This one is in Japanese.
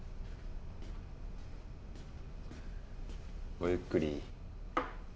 ごゆっくり。